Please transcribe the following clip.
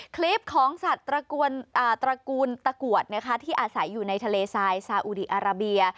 คลิปของสัตว์ตระกูลตะกรวดที่อาศัยอยู่ในทะเลทรายซาอุดีอาราเบีย